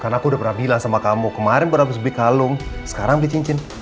karena aku udah pernah bilang sama kamu kemarin pernah bisa beli kalung sekarang beli cincin